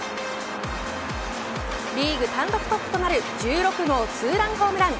リーグ単独トップとなる１６号ツーランホームラン。